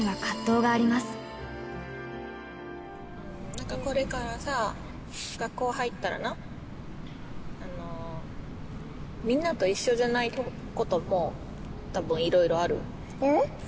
けれど、これからさ、学校入ったらな、みんなと一緒じゃないことも、たぶんいろいろある。